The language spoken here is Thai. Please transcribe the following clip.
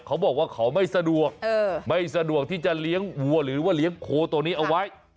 เขาบอกว่าเขาไม่สะดวกไม่สะดวกที่จะเลี้ยงวัวหรือว่าเลี้ยงโคตัวนี้เอาไว้